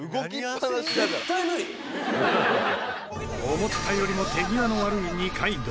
思ったよりも手際の悪い二階堂。